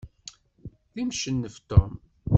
D imcennef Tom.